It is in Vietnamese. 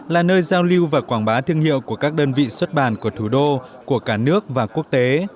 là nơi giao lưu và quảng bá thương hiệu của các đơn vị xuất bản của thủ đô của cả nước và quốc tế